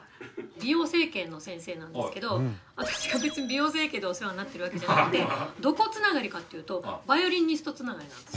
美容整形の先生なんですけど私は別に美容整形でお世話になってるわけじゃなくてどこ繋がりかっていうとバイオリニスト繋がりなんです。